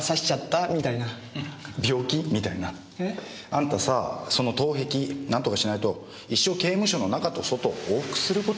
あんたさその盗癖なんとかしないと一生刑務所の中と外往復することになるよ。